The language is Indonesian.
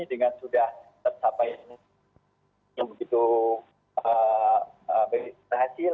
dengan sudah tercapai yang begitu berhasil